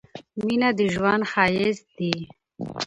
مينه د ژوند ښايست دي